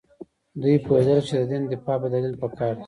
دوی پوهېدل چې د دین دفاع په دلیل پکار ده.